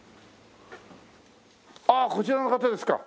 ああこちらの方ですか？